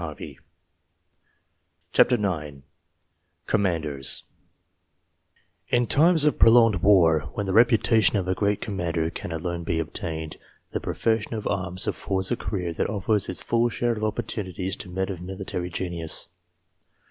134 COMMANDERS COMMANDEKS IN times of prolonged war, when the reputation of a great commander can alone be obtained, the profession of arms affords a career that offers its full share of opportunities to men of military genius.